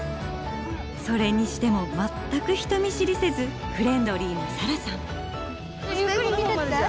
それにしても全く人見知りせずフレンドリーなサラさん。